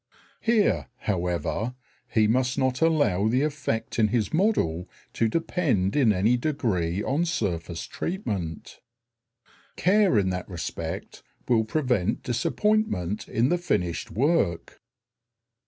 Here, however, he must not allow the effect in his model to depend in any degree on surface treatment. Care in that respect will prevent disappointment in the finished work.